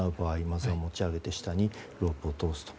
まずは持ち上げて、下にロープを通すと。